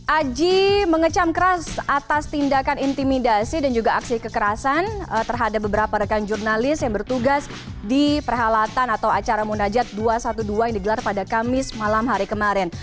aji mengecam keras atas tindakan intimidasi dan juga aksi kekerasan terhadap beberapa rekan jurnalis yang bertugas di perhelatan atau acara munajat dua ratus dua belas yang digelar pada kamis malam hari kemarin